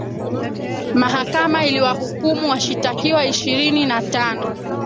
mahakama iliwahukumu washitakiwa ishirini na tano